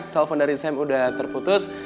telepon dari sam udah terputus